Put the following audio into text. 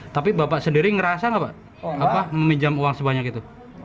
tapi bapak sendiri ngerasa nggak pak meminjam uang sebanyak itu